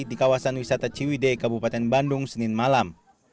di kawasan wisata ciwide kabupaten bandung senin malam